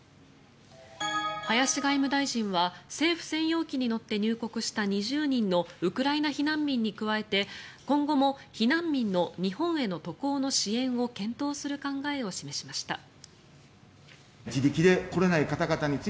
林外務大臣は政府専用機に乗って入国した２０人のウクライナ避難民に加えて今後も避難民の日本への渡航の支援を検討する考えを示しました。